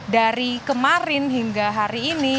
dari kemarin hingga hari ini